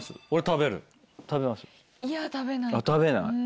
食べない？